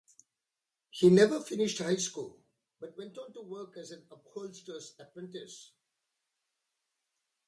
He never finished high school but went to work as an upholsterer's apprentice.